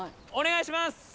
お願いします！